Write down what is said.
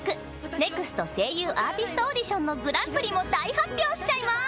ＮＥＸＴ声優アーティストオーディションのグランプリも大発表しちゃいます！